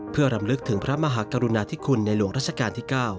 เพื่อรำลึกถึงพระมหากรุณาธิคุณในหลวงรัชกาลที่๙